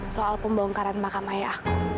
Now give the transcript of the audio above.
soal pembongkaran makam ayah aku